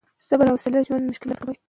صبر او حوصله د ژوند مشکلات کموي.